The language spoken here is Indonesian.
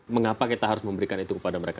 mengapa kita harus memberikan itu kepada mereka